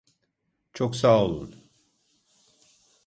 Çok sağ olun.